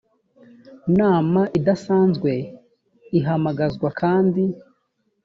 nama idasanzwe ihamagazwa kandi